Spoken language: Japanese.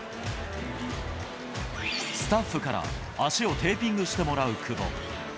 スタッフから足をテーピングしてもらう久保。